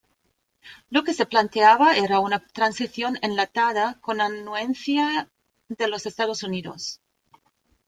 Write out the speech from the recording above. Lo que se planteaba era una "transición enlatada", con anuencia de los Estados Unidos.